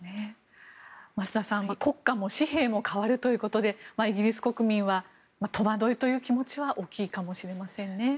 増田さん、国歌も紙幣も変わるということでイギリス国民は戸惑いという気持ちは大きいかもしれませんね。